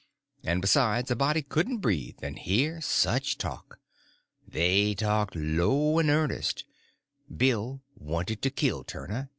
And, besides, a body couldn't breathe and hear such talk. They talked low and earnest. Bill wanted to kill Turner.